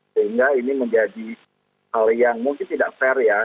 sehingga ini menjadi hal yang mungkin tidak fair ya